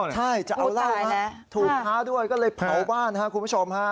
ใช่จะเอาเหล้าถูกท้าด้วยก็เลยเผาบ้านครับคุณผู้ชมฮะ